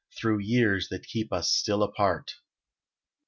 Through years that keep us still apart.